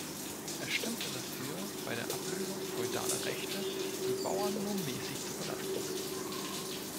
Er stimmte dafür, bei der Ablösung feudaler Rechte die Bauern nur mäßig zu belasten.